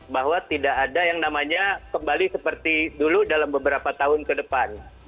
bahwa tidak ada yang namanya kembali seperti dulu dalam beberapa tahun ke depan